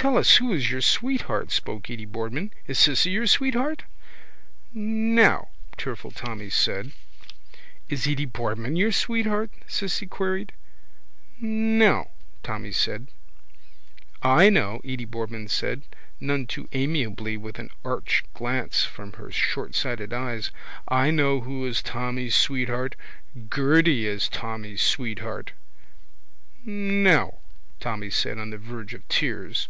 —Tell us who is your sweetheart, spoke Edy Boardman. Is Cissy your sweetheart? —Nao, tearful Tommy said. —Is Edy Boardman your sweetheart? Cissy queried. —Nao, Tommy said. —I know, Edy Boardman said none too amiably with an arch glance from her shortsighted eyes. I know who is Tommy's sweetheart. Gerty is Tommy's sweetheart. —Nao, Tommy said on the verge of tears.